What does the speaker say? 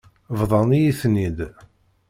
Bḍan-iyi-ten-id.